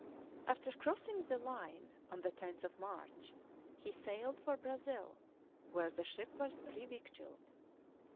After crossing the line on the 10th March, he sailed for Brazil, where the ship was revictualled.